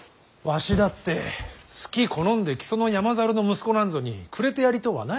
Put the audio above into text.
わしだってすき好んで木曽の山猿の息子なんぞにくれてやりとうはない。